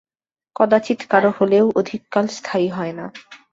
কদাচিৎ কারও হলেও অধিক কাল স্থায়ী হয় না।